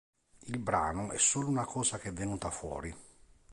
Il brano è solo una cosa che è venuta fuori.